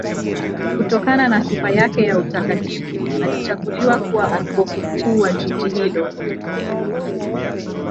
Kutokana na sifa yake ya utakatifu alichaguliwa kuwa askofu mkuu wa jiji hilo.